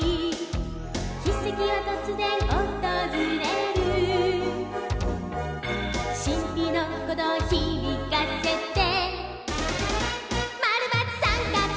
「奇跡はとつぜんおとずれる」「しんぴのこどうひびかせて」「○×△」